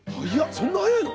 そんな早いの？